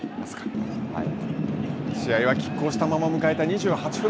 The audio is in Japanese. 試合はきっ抗したまま迎えた、２８分。